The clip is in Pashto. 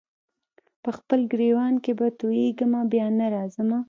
په خپل ګرېوان کي به تویېږمه بیا نه راځمه